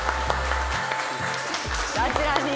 あちらに。